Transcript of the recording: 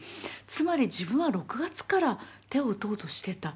つまり自分は６月から手を打とうとしてた。